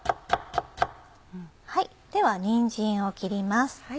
ではにんじんを切ります。